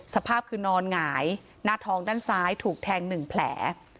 สภาพคือนอนหงายหน้าท้องด้านซ้ายถูกแทง๑แผล